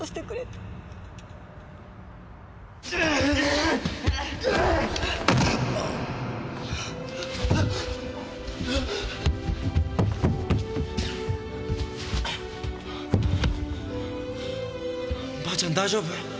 ばあちゃん大丈夫？